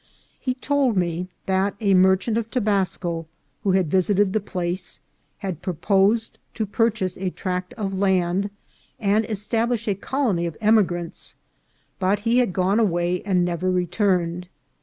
He told me that a merchant of Tobasco, who had visited the place, had proposed to purchase a tract of land and establish a col ony of emigrants, but he had gone away and never re turned.